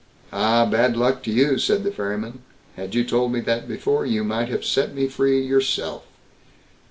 "Ah, bad luck to you", said the ferryman; "had you told me that before, you might have set me free yourself."